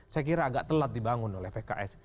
saya kira agak telat dibangun oleh pks